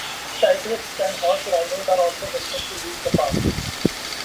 Cyclists and horse riders are also welcome to use the park.